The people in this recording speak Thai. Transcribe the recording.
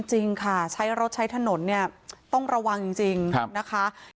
จริงค่ะใช้รถใช้ถนนเนี่ยต้องระวังจริงนะคะ